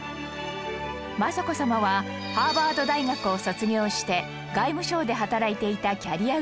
雅子さまはハーバード大学を卒業して外務省で働いていたキャリアウーマン